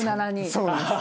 そうなんです。